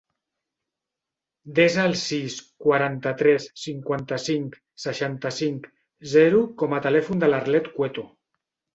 Desa el sis, quaranta-tres, cinquanta-cinc, seixanta-cinc, zero com a telèfon de l'Arlet Cueto.